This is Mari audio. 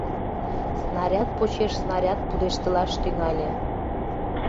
Снаряд почеш снаряд пудештылаш тӱҥале.